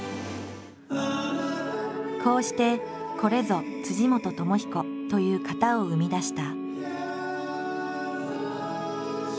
こうしてこれぞ本知彦という型を生み出した。